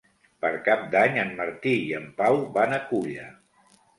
Per Cap d'Any en Martí i en Pau van a Culla.